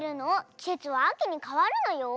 きせつはあきにかわるのよ。